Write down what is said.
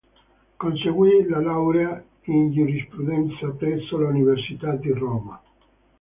Conseguì la laurea in giurisprudenza presso l'Università di Roma.